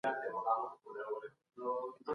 تاسو بايد د سياست پوهني په اړه رښتينې پوهه عامه کړئ.